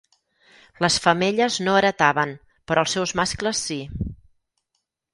Les femelles no heretaven, però els seus mascles sí.